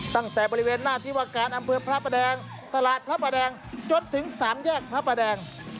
ตั้งแต่บริเวณหน้าสินวอาคารอำเวิร์พระมะแดงตลาดพระมะแดงจนถึง๓แยกพระมะแดง